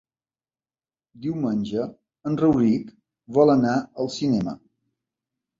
Diumenge en Rauric vol anar al cinema.